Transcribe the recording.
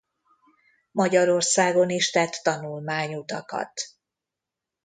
Magyarországon is tett tanulmányutakat.